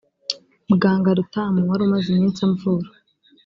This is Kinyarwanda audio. Muganga Rutamu wari umaze iminsi amvura